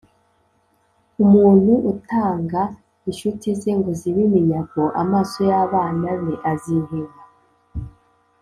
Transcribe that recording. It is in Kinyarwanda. umuntu utanga incuti ze ngo zibe iminyago, amaso y’abana be aziheba